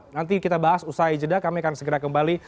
nanti kita bahas usai jeda kami akan segera kembali